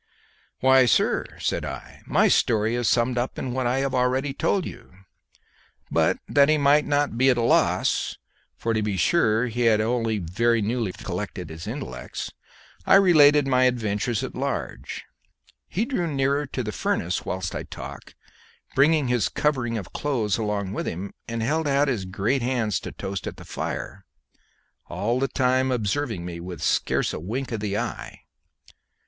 "Why, sir," said I, "my story is summed up in what I have already told you." But that he might not be at a loss for to be sure he had only very newly collected his intellects I related my adventures at large. He drew nearer to the furnace whilst I talked, bringing his covering of clothes along with him, and held out his great hands to toast at the fire, all the time observing me with scarce a wink of the eye.